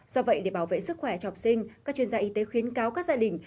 do vậy để bảo vệ sức khỏe trọng sinh các chuyên gia y tế khuyến cáo các gia đình